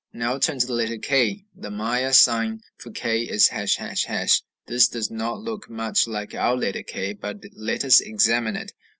Now turn to the letter k. The Maya sign for k is ###. This does not look much like our letter K; but let us examine it.